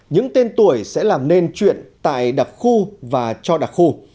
những tên tuổi sẽ làm nên chuyện tại đặc khu và cho đặc khu